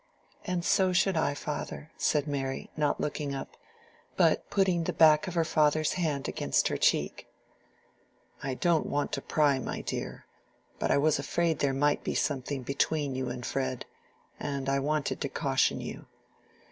"And so should I, father," said Mary, not looking up, but putting the back of her father's hand against her cheek. "I don't want to pry, my dear. But I was afraid there might be something between you and Fred, and I wanted to caution you.